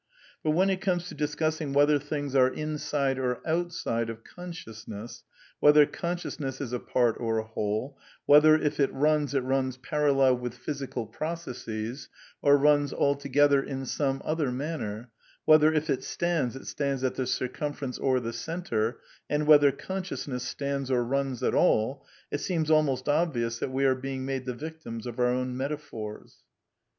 But when it comes to discussing whether things are in side or outside of consciousness ; whether consciousness is a part or a whole; whether, if it runs, it runs parallel with physical processes, or runs altogether in some other manner ; whether, if it stands, it stands at the circumfer ence or the centre; and whether consciousness stands or runs at all, it seems almost obvious that we are being made the victims of our own metaphors.